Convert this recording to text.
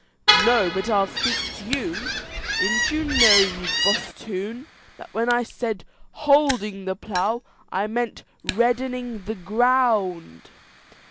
"No, but I'll speak to you. Didn't you know, you bosthoon, that when I said 'holding the plough,' I meant reddening the ground."